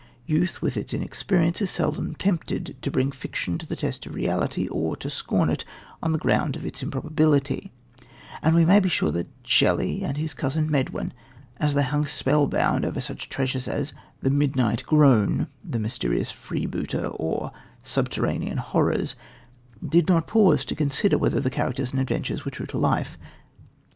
Youth, with its inexperience, is seldom tempted to bring fiction to the test of reality, or to scorn it on the ground of its improbability, and we may be sure that Shelley and his cousin, Medwin, as they hung spellbound over such treasures as The Midnight Groan, The Mysterious Freebooter, or Subterranean Horrors did not pause to consider whether the characters and adventures were true to life.